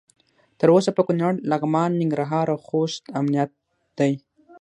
تر اوسه په کنړ، لغمان، ننګرهار او خوست امنیت دی.